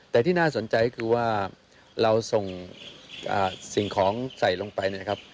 แต่ที่น่าสนใจคือว่าเราส่งสิ่งของใส่ลงไปนะครับ